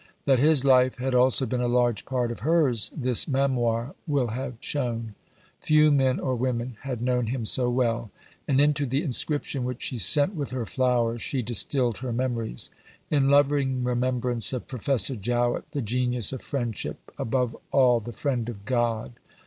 That his life had also been a large part of hers, this Memoir will have shown. Few men or women had known him so well, and into the inscription which she sent with her flowers she distilled her memories: "In loving remembrance of Professor Jowett, the Genius of Friendship, above all the Friend of God."